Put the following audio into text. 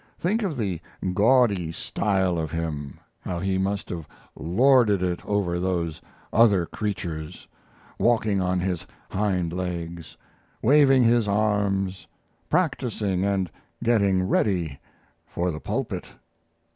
Think of the gaudy style of him, how he must have lorded it over those other creatures, walking on his hind legs, waving his arms, practising and getting ready for the pulpit."